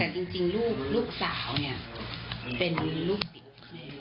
แต่จริงลูกสาวเนี่ยเป็นลูกติดแม่